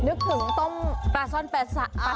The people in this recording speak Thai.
นึกถึงต้มปลาซ่อนแฟนน์